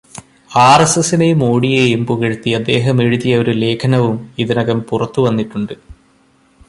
ആർഎസ്എസിനെയും മോഡിയെയും പുകഴ്ത്തി അദ്ദേഹം എഴുതിയ ഒരു ലേഖനവും ഇതിനകം പുറത്തുവന്നിട്ടുണ്ട്.